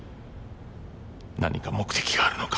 何か目的があるのか？